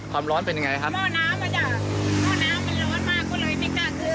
ความร้อนเป็นยังไงครับมั่วน้ำมันอ่ะมั่วน้ำมันร้อนมากกว่าเลยไม่กล้าขึ้น